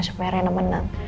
supaya rena menang